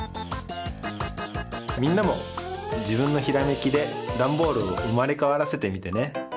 みんなもじぶんのひらめきでダンボールをうまれかわらせてみてね。